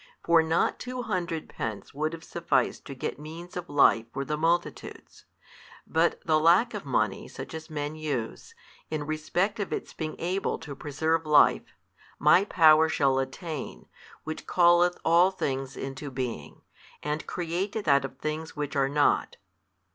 For not two hundred pence would have sufficed to get means of life for the multitudes, but the lack of money such as men use, in respect of its being able to preserve life, My Power shall attain, which calleth all things into being, and createth out of things which are not.